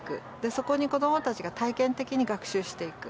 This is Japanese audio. そこに子どもたちが体験的に学習していく。